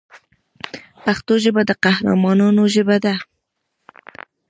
پښتو ژبه د قهرمانانو ژبه ده.